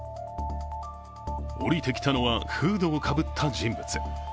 降りてきたのはフードをかぶった人物。